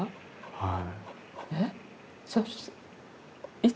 はい。